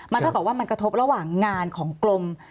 เท่ากับว่ามันกระทบระหว่างงานของกรม